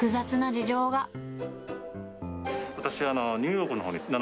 私はニューヨークのほうに７